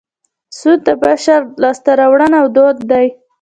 سود د بشر لاسته راوړنه او دود دی